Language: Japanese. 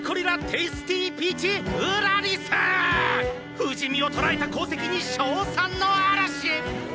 不死身を捕らえた功績に賞賛の嵐！！」